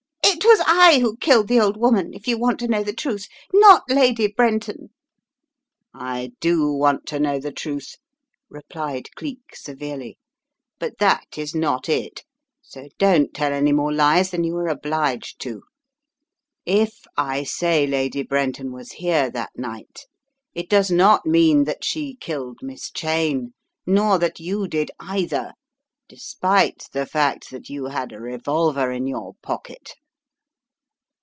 "It was I who killed the old woman, if you want to know the truth. Not Lady Brenton !" "I do want to know the truth," replied Cleek, severely. "But that is not it, so don't tell any more lies than you are obliged to. If I say Lady Brenton was here that night, it does not mean that she killed Miss Cheyne, nor that you did, either, despite the fact that you had a revolver in your pocket."